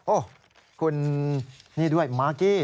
โอ้โหคุณนี่ด้วยมากกี้